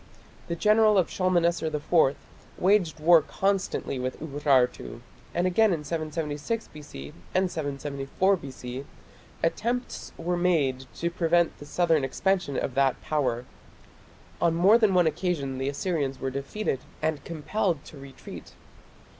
the general of Shalmaneser IV waged war constantly with Urartu, and again in 776 B.C. and 774 B.C. attempts were made to prevent the southern expansion of that Power. On more than one occasion the Assyrians were defeated and compelled to retreat.